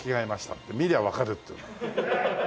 って見りゃわかるっていうの。